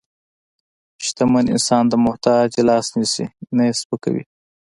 شتمن انسان د محتاج لاس نیسي، نه یې سپکوي.